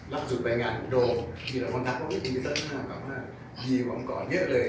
รับสุดไปงานโดรมมีแต่คนทักว่าไม่ได้วิจารณ์หน้าเขาก็ว่าเยี่ยมอำกอลเยอะเลย